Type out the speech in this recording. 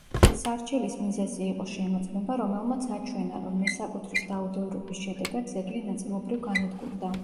სარჩელის მიზეზი იყო შემოწმება, რომელმაც აჩვენა, რომ მესაკუთრის დაუდევრობის შედეგად ძეგლი ნაწილობრივ განადგურდა.